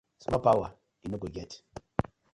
Small powar yu no get.